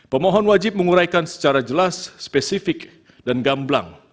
pemohon wajib menguraikan secara jelas spesifik dan gamblang